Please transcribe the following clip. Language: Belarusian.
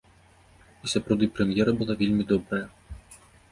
І сапраўды прэм'ера была вельмі добрая.